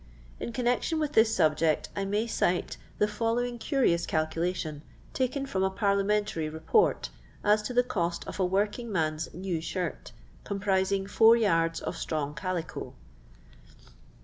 In connection with this subject I may cite the following curious calculation, taken from a Parlia mentary Report, as to the cost of a working man's new shirt, comprising four yards of strong calico.